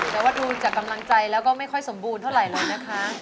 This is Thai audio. แต่ว่าดูจากกำลังใจแล้วก็ไม่ค่อยสมบูรณเท่าไหร่เลยนะคะ